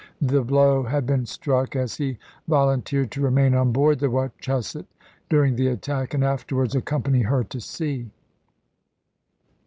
the blow had been struck, as he volunteered to remain on board the Wachusett during the attack, and afterwards accompany her to sea.